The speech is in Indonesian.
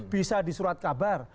bisa di surat kabar